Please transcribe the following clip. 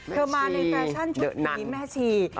มาในแฟชั่นชุดนี้แม่ชี